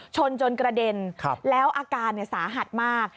ชนจนกระเด็นแล้วอาการสาหัสมาก